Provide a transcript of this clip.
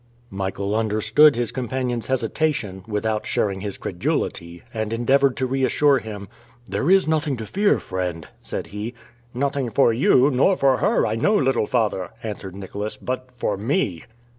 Michael understood his companion's hesitation, without sharing his credulity, and endeavored to reassure him, "There is nothing to fear, friend," said he. "Nothing for you, nor for her, I know, little father," answered Nicholas, "but for me!"